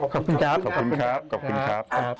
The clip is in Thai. ขอบคุณครับ